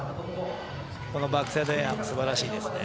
バックサイドエアもすばらしいですね。